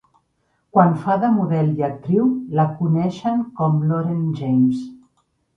Quan fa de model i actriu, la coneixen com Lauren James.